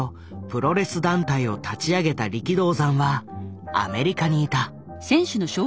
プロレス団体を立ち上げた力道山はアメリカにいた。